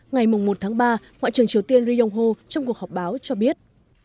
ngày một tháng ba ngoại trưởng triều tiên ri yong ho trong cuộc họp báo cho biết